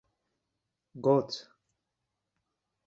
Got: